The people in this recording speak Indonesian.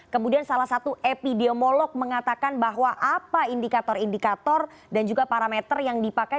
kemudian salah satu epidemiolog mengatakan bahwa apa indikator indikator dan juga parameter yang dipakai